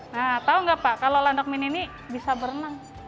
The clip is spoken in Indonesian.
nah tahu nggak pak kalau landak mini ini bisa berenang